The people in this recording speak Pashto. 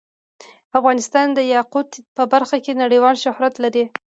افغانستان د یاقوت په برخه کې نړیوال شهرت لري.